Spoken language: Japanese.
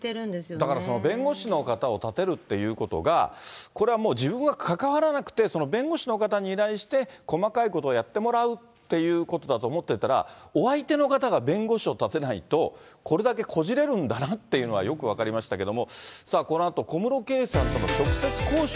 だからその弁護士の方を立てるというのが、これはもう自分は関わらなくて、弁護士の方に依頼して、細かいことはやってもらうということだと思ってたら、お相手の方が弁護士を立てないと、これだけこじれるんだなっていうのは、よく分かりましたけど。